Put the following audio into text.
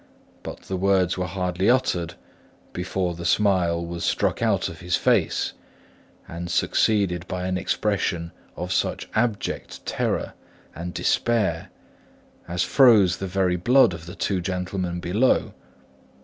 But the words were hardly uttered, before the smile was struck out of his face and succeeded by an expression of such abject terror and despair, as froze the very blood of the two gentlemen below.